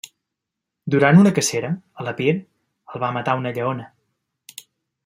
Durant una cacera, a l'Epir, el va matar una lleona.